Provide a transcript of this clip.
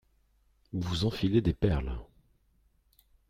Vous enfilez des perles